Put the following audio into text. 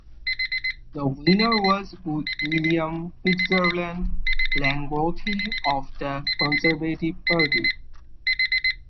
The winner was William Fitzgerald Langworthy of the Conservative Party.